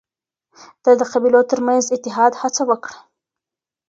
ده د قبيلو ترمنځ اتحاد هڅه وکړ